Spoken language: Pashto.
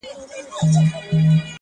د طوطي له خولې خبري نه وتلې!!